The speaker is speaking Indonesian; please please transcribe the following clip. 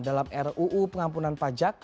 dalam ruu pengampunan pajak